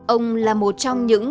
ông là một trong những